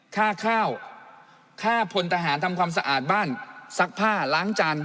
ค่าข้าวค่าพลทหารทำความสะอาดบ้านซักผ้าล้างจาน